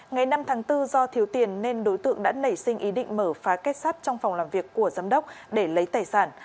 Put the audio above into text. ngày năm tháng bốn do thiếu tiền nên đối tượng đã nảy sinh ý định mở phá kết sát trong phòng làm việc của giám đốc để lấy tài sản